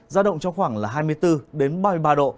giao động trong khoảng là hai mươi bốn ba mươi ba độ